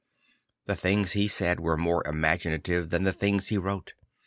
The things he said were more imaginative than the things he wrote.